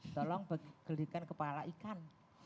tolong belikan kepala ikan